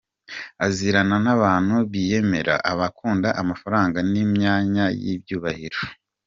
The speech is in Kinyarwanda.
Azirana n’abantu biyemera, abakunda amafaranga n’imyanya y’icyubahiro.